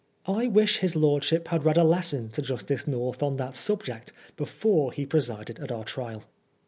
I wish his lordship had read a lesson to Justice North on that subject before he presided at our trial.